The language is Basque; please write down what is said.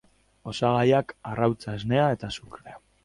Osagaiak: Arrautza, esnea eta azukrea.